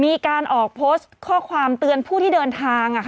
มีการออกโพสต์ข้อความเตือนผู้ที่เดินทาง